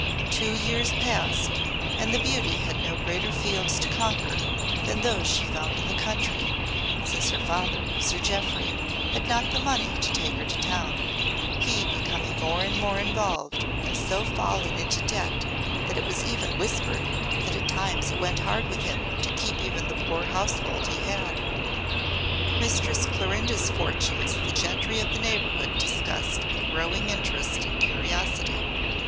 Two years passed, and the beauty had no greater fields to conquer than those she found in the country, since her father, Sir Jeoffry, had not the money to take her to town, he becoming more and more involved and so fallen into debt that it was even whispered that at times it went hard with him to keep even the poor household he had. Mistress Clorinda's fortunes the gentry of the neighbourhood discussed with growing interest and curiosity.